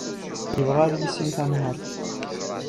Yebɣa ad yissin tanhaṛt.